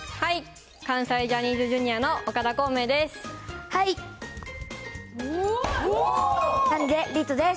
関西ジャニーズＪｒ．の岡田耕明です。